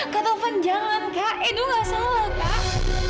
kak taufan jangan kak edu ga salah kak